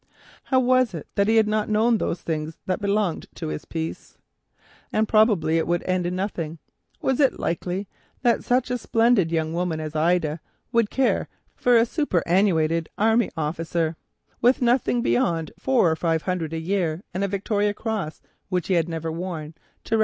How was it that he had not known those things that belonged to his peace? And probably it would end in nothing. Was it likely that such a splendid young woman as Ida would care for a superannuated army officer, with nothing to recommend him beyond five or six hundred a year and a Victoria Cross, which he never wore.